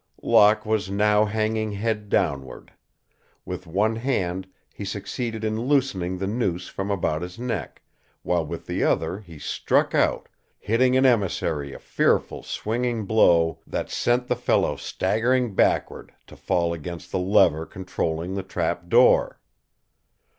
Locke was now hanging head downward. With one hand he succeeded in loosening the noose from about his neck, while with the other he struck out, hitting an emissary a fearful swinging blow that sent the fellow staggering backward, to fall against the lever controlling the trap door.